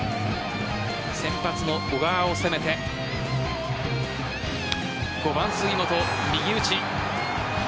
先発の小川を攻めて５番・杉本、右打ち。